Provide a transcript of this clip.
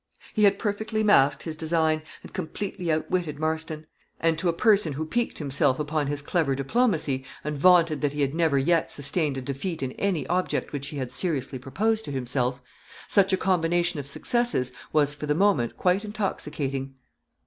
He had perfectly masked his design, and completely outwitted Marston; and to a person who piqued himself upon his clever diplomacy, and vaunted that he had never yet sustained a defeat in any object which he had seriously proposed to himself, such a combination of successes was for the moment quite intoxicating.